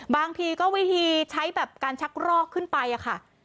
บางทีก็วิธีใช้แบบการชักรอกขึ้นไปอะค่ะ